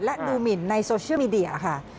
และดูหมินในโซเชียลมีเดียค่ะ